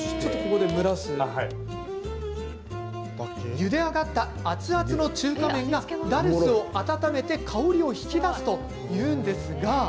ゆで上がった熱々の中華麺がダルスを温めて香りを引き出すというんですが。